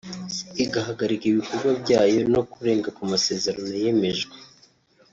igahagarika ibikorwa byayo no kurenga ku masezerano yemejwe